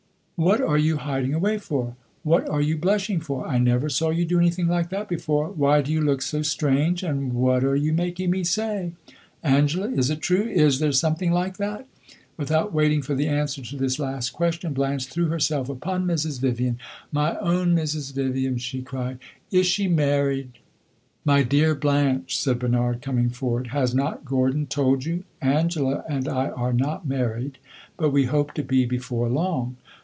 "What are you hiding away for? What are you blushing for? I never saw you do anything like that before! Why do you look so strange, and what are you making me say? Angela, is it true is there something like that?" Without waiting for the answer to this last question, Blanche threw herself upon Mrs. Vivian. "My own Mrs. Vivian," she cried, "is she married?" "My dear Blanche," said Bernard, coming forward, "has not Gordon told you? Angela and I are not married, but we hope to be before long.